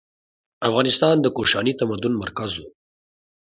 افغانستان د کوشاني تمدن مرکز و.